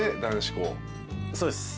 そうです。